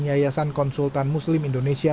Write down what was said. yayasan konsultan muslim indonesia